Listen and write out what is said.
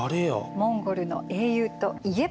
モンゴルの英雄といえば！